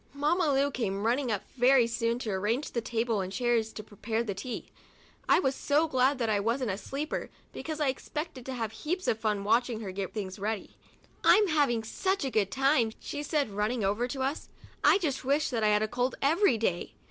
Mamma Lu came running up very soon to arrange the table and the chairs and to prepare the tea. I was so glad then that I wasn't a "sleeper," because I expected to have heaps of fun watching her get things ready. "I'm having such a good time," she said, running over to us, "I just wish I had a cold every day."